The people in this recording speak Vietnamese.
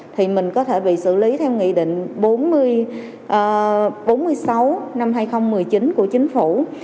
thì mình có thể bị xử lý theo nghị định bốn mươi bốn năm hai nghìn một mươi chín của chính phủ